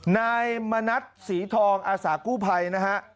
นายมณัฐศรีทองอาสากู้ภัยนะฮะ